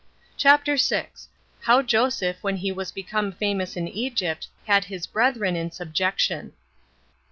CHAPTER 6. How Joseph When He Was Become Famous In Egypt, Had His Brethren In Subjection.